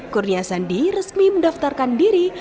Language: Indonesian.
kurnia sandi resmi mendaftarkan diri